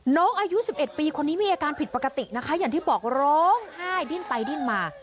น้องอายุ๑๑ปีคนนี้มีอาการผิดปกตินะคะอย่างที่บอกร้องไห้ดิ้นไปดิ้นมา